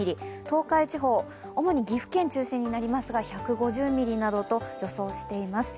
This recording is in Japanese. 東海地方、主に岐阜県中心になりますが１５０ミリなどと予想しています。